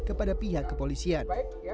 kepada pihak kepolisian